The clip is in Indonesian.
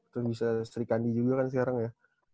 terus bisa sri kandi juga kan sekarang ya